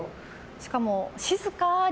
しかも、静かに。